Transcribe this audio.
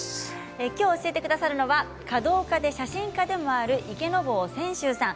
教えてくださるのは華道家で写真家でもある池坊専宗さん。